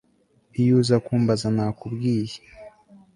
Iyo uza kumbaza nakubwiye